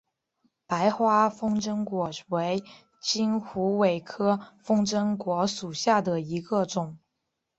白花风筝果为金虎尾科风筝果属下的一个种。